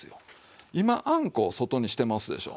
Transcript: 今あんこを外にしてますでしょ。